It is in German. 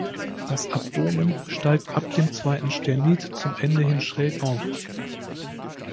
Das Abdomen steigt ab dem zweiten Sternit zum Ende hin schräg auf.